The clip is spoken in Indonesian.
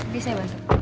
bisa ya bantu